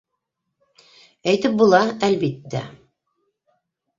Әйтеп була, әлбиттә...